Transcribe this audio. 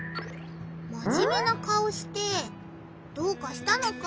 まじめな顔してどうかしたのか？